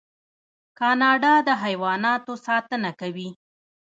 کاناډا د حیواناتو ساتنه کوي.